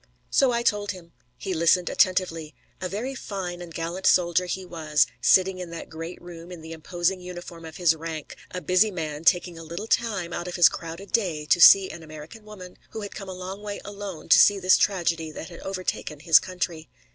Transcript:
So I told him. He listened attentively. A very fine and gallant soldier he was, sitting in that great room in the imposing uniform of his rank; a busy man, taking a little time out of his crowded day to see an American woman who had come a long way alone to see this tragedy that had overtaken his country.